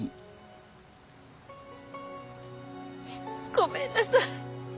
ごめんなさい。